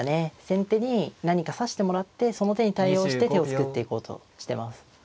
先手に何か指してもらってその手に対応して手を作っていこうとしてます。